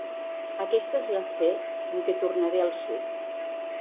Aquesta és la fe amb què tornaré al sud.